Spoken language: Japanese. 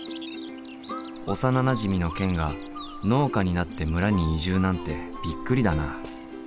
幼なじみのケンが農家になって村に移住なんてびっくりだな。